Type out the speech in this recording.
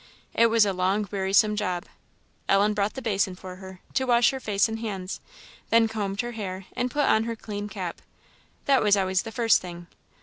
It was a long, wearisome job. Ellen brought the basin for her, to wash her face and hands; then combed her hair, and put on her clean cap. That was always the first thing.